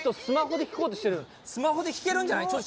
スマホで聴こうとしてるスマホで聴けるんじゃない？